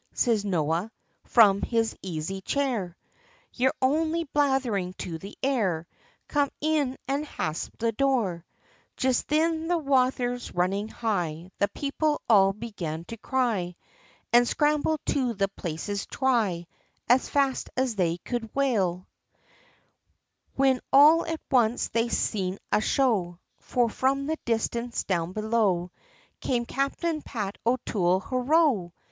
siz Noah, from his aisy chair, "Yer only blatherin to the air! come in an' hasp the door," Just thin the wathers risin' high, the people all began to cry, An' scrambled to the places dhry, as fast as they could whail; Whin all at once they seen a show, for from the distance down below, Came Captain Pat O'Toole hooroo!